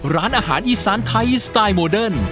ร้านอาหารอีสานไทยสไตล์โมเดิร์น